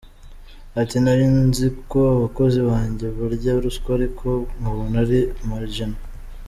Ati nari nzi ko abakozi banjye barya ruswa ariko nkabona ari marginal.